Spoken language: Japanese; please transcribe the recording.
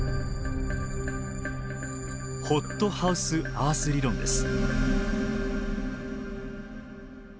ホットハウスアース理論です。